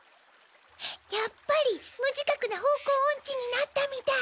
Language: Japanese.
やっぱり無自覚な方向オンチになったみたい。